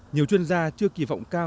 nhiều chuyên gia chưa kỳ vọng cao